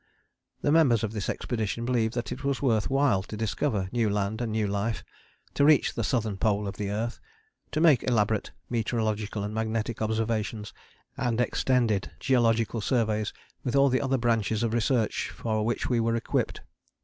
The members of this expedition believed that it was worth while to discover new land and new life, to reach the Southern Pole of the earth, to make elaborate meteorological and magnetic observations and extended geological surveys with all the other branches of research for which we were equipped.